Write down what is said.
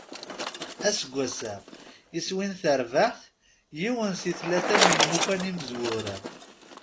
Aseggas-a, iswi n terbaεt: yiwen si tlata n yimukan imezwura.